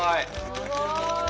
すごい。